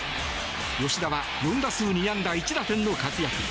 吉田は４打数２安打１打点の活躍。